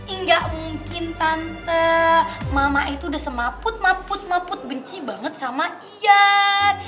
enggak mungkin tante mama itu udah semaput maput maput benci banget sama ian